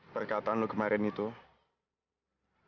perkataan lo kemarin itu